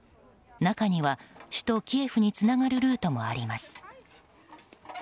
中には首都キエフにつながるルートもあります。